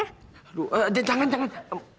aduh jangan jangan